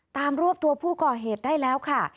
รวบตัวผู้ก่อเหตุได้แล้วค่ะ